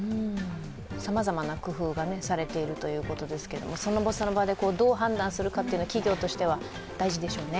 さまざまな工夫がされているということですけれども、その場その場でどう判断するか、企業としては大事でしょうね。